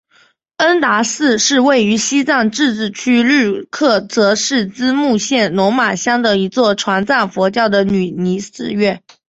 恩达寺是位于西藏自治区日喀则市江孜县龙马乡的一座藏传佛教的女尼寺院。